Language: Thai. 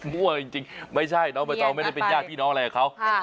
มั่วจริงไม่ใช่น้องใบตองไม่ได้เป็นญาติพี่น้องอะไรกับเขา